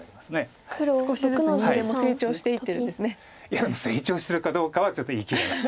いや成長してるかどうかはちょっと言い切れない。